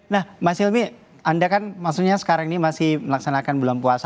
nah mas hilmi anda kan maksudnya sekarang ini masih melaksanakan bulan puasa